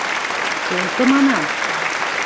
Колто, манам!